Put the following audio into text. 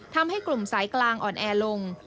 ทำให้กลุ่มสายกลางอ่อนแอลง